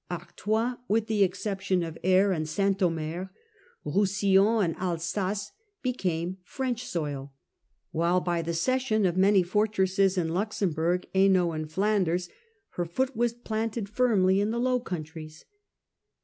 Artois (with the exception of Aire and St. Omer), Roussillon, and Alsace, became French soil; while by the cession of many fortresses in Luxemburg, llainault, and Flanders, her foot was planted firmly in the Low Countries.